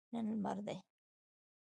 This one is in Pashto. نن لمر دی